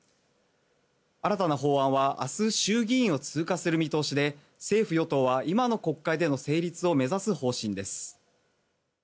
新たな法案は明日衆議院を通過する見通しで政府・与党は今の国会での成立を目指す方針です。